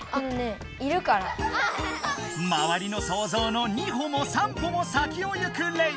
まわりのそうぞうの２歩も３歩も先を行くレイ